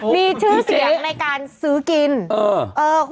มีชื่อเสียงในการซื้อกินอื้มเจอ๋